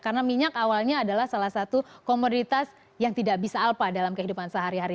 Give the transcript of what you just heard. karena minyak awalnya adalah salah satu komoditas yang tidak bisa alpa dalam kehidupan sehari hari